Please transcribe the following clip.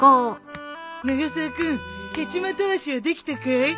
永沢君ヘチマたわしはできたかい？